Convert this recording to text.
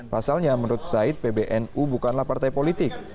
pasalnya menurut said pbnu bukanlah partai politik